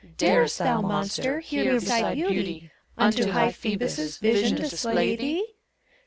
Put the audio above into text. Darest thou, Monster, Here beside Beauty, Unto high Phoebus' Vision display thee?